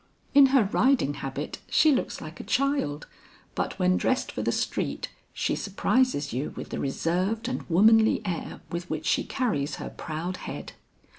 In her riding habit she looks like a child, but when dressed for the street she surprises you with the reserved and womanly air with which she carries her proud head.